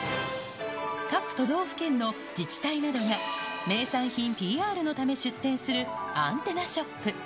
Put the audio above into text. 各都道府県の自治体などが、名産品ＰＲのため出店するアンテナショップ。